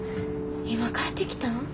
今帰ってきたん？